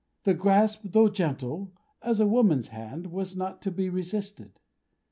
The grasp, though gentle as a woman's hand, was not to be resisted.